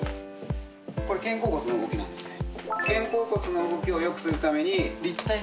これ肩甲骨の動きなんですね。